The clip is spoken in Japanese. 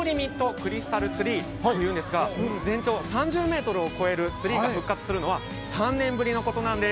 クリスタル・ツリーというんですが、全長３０メートルを超えるツリーが復活するのは３年ぶりなんです。